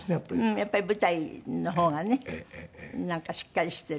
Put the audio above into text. やっぱり舞台の方がねなんかしっかりしてる。